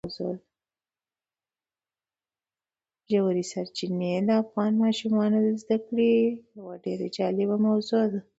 ژورې سرچینې د افغان ماشومانو د زده کړې یوه ډېره جالبه موضوع ده.